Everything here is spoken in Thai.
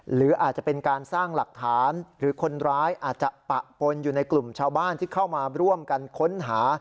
หรืออาจจะเป็นการสร้างหลักฐานหรือคนร้ายอาจจะปะปนอยู่ในกลุ่มชาวบ้านที่เข้ามาร่วมกันค้นหา